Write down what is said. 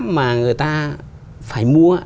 mà người ta phải mua